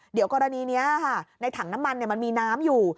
เดี๋ยวกรณีนี้ในถังน้ำมันมันมีน้ำอยู่